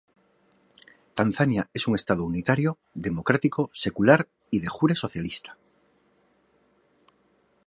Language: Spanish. Tanzania es un estado unitario, democrático, secular y "de jure" socialista.